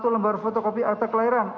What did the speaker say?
satu lembar fotokopi akta kelahiran